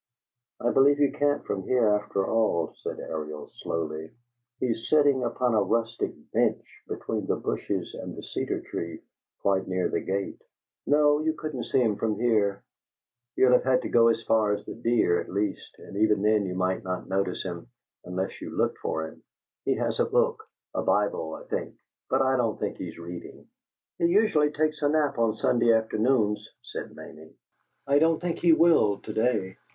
"I believe you can't from here, after all," said Ariel, slowly. "He is sitting upon a rustic bench between the bushes and the cedar tree, quite near the gate. No, you couldn't see him from here; you'd have to go as far as the deer, at least, and even then you might not notice him, unless you looked for him. He has a book a Bible, I think but I don't think he is reading." "He usually takes a nap on Sunday afternoons," said Mamie. "I don't think he will, to day."